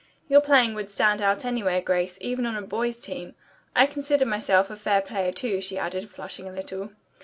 "Your playing would stand out anywhere, Grace, even on a boys' team. I consider myself a fair player, too," she added, flushing a little.